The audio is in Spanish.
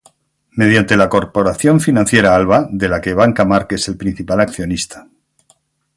Mediante la Corporación Financiera Alba, de la que Banca March es el principal accionista.